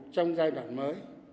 trong giai đoạn mới